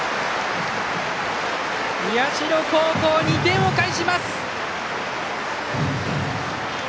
社高校、２点を返します！